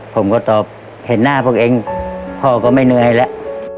ผมก็ตอบเห็นหน้าพวกเองพ่อก็ไม่เหนื่อยแล้ว